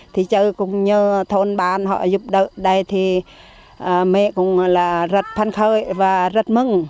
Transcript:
thì chơi cũng như thôn bán họ giúp đỡ đây thì mẹ cũng rất phân khơi và rất mừng